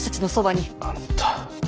あんた。